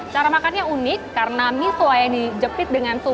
cara makannya unik karena misua yang dijepit dengan suhu